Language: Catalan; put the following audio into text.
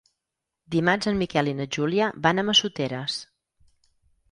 Dimarts en Miquel i na Júlia van a Massoteres.